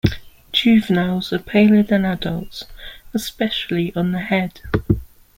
Juveniles are paler than adults, especially on the head.